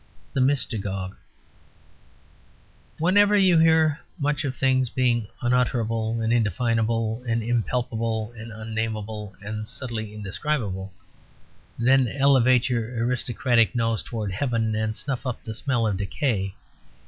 THE MYSTAGOGUE Whenever you hear much of things being unutterable and indefinable and impalpable and unnamable and subtly indescribable, then elevate your aristocratic nose towards heaven and snuff up the smell of decay.